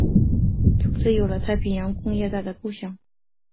从此有了太平洋工业带的构想。